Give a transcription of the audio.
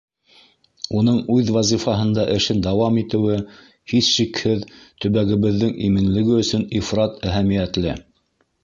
Уның үҙ вазифаһында эшен дауам итеүе, һис шикһеҙ, төбәгебеҙҙең именлеге өсөн ифрат әһәмиәтле.